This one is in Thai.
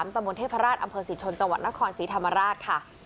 ตำบลเทพราชอำเภอศรีชนจังหวัดนครศรีธรรมราชค่ะ